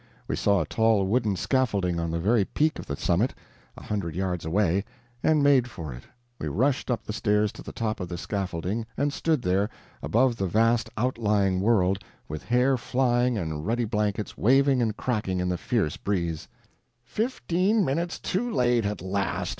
We saw a tall wooden scaffolding on the very peak of the summit, a hundred yards away, and made for it. We rushed up the stairs to the top of this scaffolding, and stood there, above the vast outlying world, with hair flying and ruddy blankets waving and cracking in the fierce breeze. "Fifteen minutes too late, at last!"